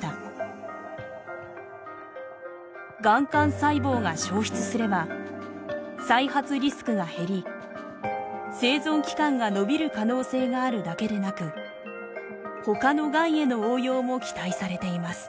がん幹細胞が消失すれば再発リスクが減り生存期間が延びる可能性があるだけでなく他のがんへの応用も期待されています。